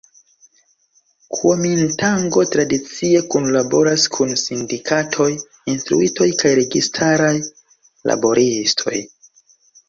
Kuomintango tradicie kunlaboras kun sindikatoj, instruistoj kaj registaraj laboristoj.